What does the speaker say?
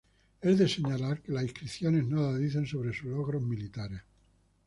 Es de señalar que las inscripciones nada dicen sobre sus logros militares.